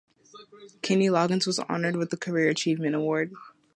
Kenny Loggins was honored with the Career Achievement Award.